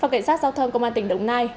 phòng cảnh sát giao thông công an tỉnh đồng nai